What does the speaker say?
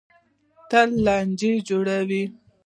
تل لانجې جوړوي.